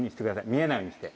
見えないようにして。